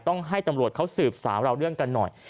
ต้องให้ตำรวจเขาสืบสาวเราเรื่องกันหน่อย